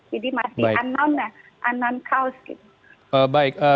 jadi masih unknown ya baik